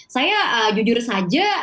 saya jujur saja